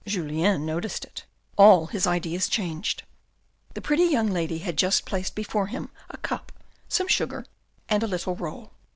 Julien noticed it. All his ideas changed. The pretty young lady had just placed before him a cup, some sugar, and a little roll.